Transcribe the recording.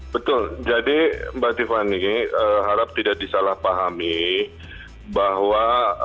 betul jadi mbak tiffany harap tidak disalahpahami bahwa